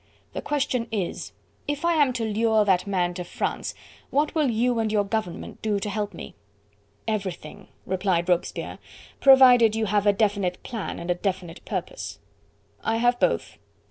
The question is, if I am to lure that man to France what will you and your government do to help me?" "Everything," replied Robespierre, "provided you have a definite plan and a definite purpose. "I have both.